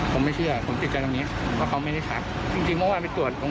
ผมไม่อยากนอนแม่เขาก็เลยไม่นอน